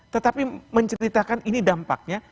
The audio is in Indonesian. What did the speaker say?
tetapi menceritakan ini dampaknya